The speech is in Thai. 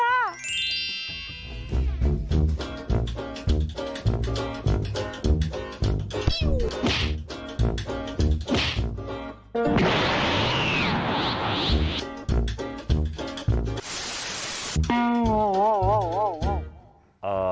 อ่าอืม